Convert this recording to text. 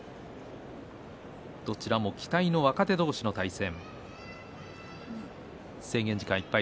どちらも期待の若手同士の対戦。